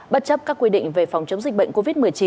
bất chấp các quy định về phòng chống dịch bệnh covid một mươi chín